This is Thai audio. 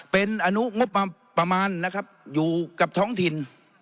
เป็นอนุงบประมาณนะครับอยู่กับท้องถิ่น